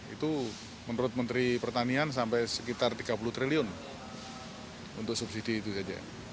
itu menurut menteri pertanian sampai sekitar tiga puluh triliun untuk subsidi itu saja